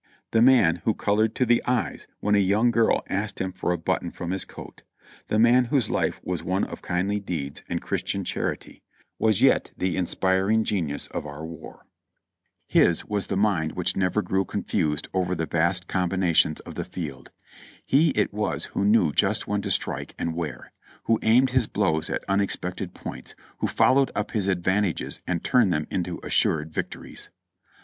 The man Avho colored to the eyes when a young girl asked him for a but ton from his coat, the man whose life was one of kindly deeds and Christian charity, was yet the inspiring genius of our war. 368 JOHNNY REB AND BII.LY YANK His was the mind which never grew confused over the vast com binations of the field; he it was who knew just when to strike and where ; who aimed his blows at unexpected points, who fol lowed up his advantages and turned them into assured victories.